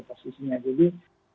jadi perbankan masih tetap menarik